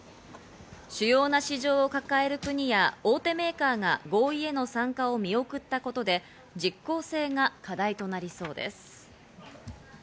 主要な市場を抱える国や大手メーカーが合意への参加を見送ったことで実効性が課題となりそうです。